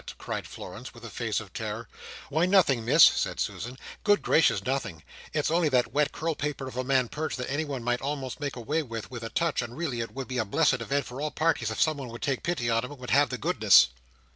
cried Florence, with a face of terror. "Why, nothing, Miss," said Susan. "Good gracious, nothing! It's only that wet curl paper of a man, Perch, that anyone might almost make away with, with a touch, and really it would be a blessed event for all parties if someone would take pity on him, and would have the goodness!"